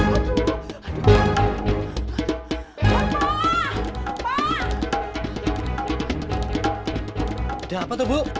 udah apa tuh bu